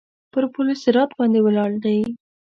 پر پل صراط باندې ولاړ دی.